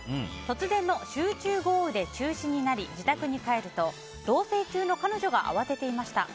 突然の集中豪雨で中止になり自宅に帰ると同棲中の彼女が慌てていました。